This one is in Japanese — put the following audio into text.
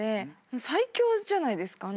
最強じゃないですか。